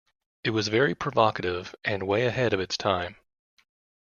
It was very provocative and way ahead of its time.